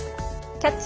「キャッチ！